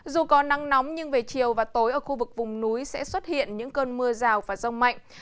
dù có nắng nóng nhưng về chiều và tối ở khu vực vùng núi sẽ xuất hiện những cơn mưa rào và rông mạnh